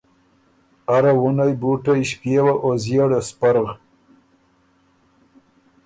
اره وُنئ بُوټئ ݭپيېوه او ݫيېړه سپرغ